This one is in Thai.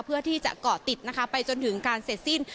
เพื่อที่จะเกาะติดนะคะไปจนถึงการเสร็จสิ้น